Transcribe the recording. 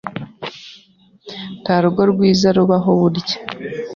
Nta rugo rwiza rubaho burya